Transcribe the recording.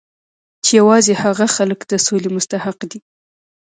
چې یوازې هغه خلک د سولې مستحق دي